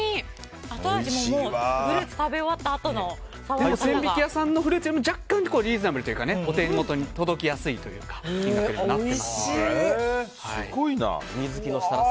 後味ももうフルーツ食べ終わったあとの千疋屋さんのフルーツよりも若干リーズナブルというかお手元に届きやすいという金額にはなってますので。